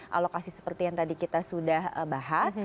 kalau lokasi seperti yang tadi kita sudah bahas